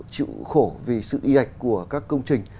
chịu khổ vì sự y ạch của các công trình